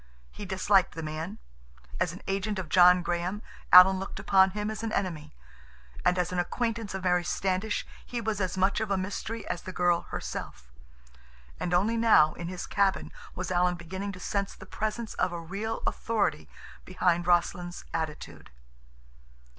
He disliked the man. As an agent of John Graham Alan looked upon him as an enemy, and as an acquaintance of Mary Standish he was as much of a mystery as the girl herself. And only now, in his cabin, was Alan beginning to sense the presence of a real authority behind Rossland's attitude.